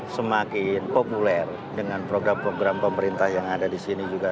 semakin populer dengan program program pemerintah yang ada di sini juga